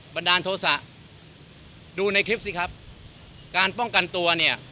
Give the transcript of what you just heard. บันดาลโทษะดูในคลิปสิครับการป้องกันตัวเนี่ย